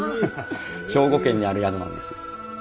兵庫県にある宿なんです。